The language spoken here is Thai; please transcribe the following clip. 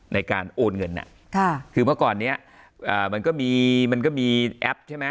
ในการโอนเงินคือเมื่อก่อนนี้มันก็มีมันก็มีแอปใช่ไหม